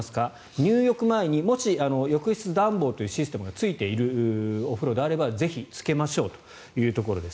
入浴前に、もし浴室暖房というシステムがついているというお風呂であればぜひつけましょうということです。